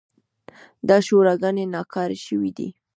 دا شوراګانې ناکاره شوې دي.